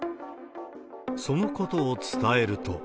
そのことを伝えると。